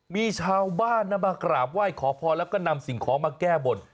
มีชาวบ้านนะมากราบไหว้ขอพรแล้วก็นำสิ่งของมาแก้บน